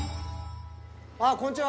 あこんにちは。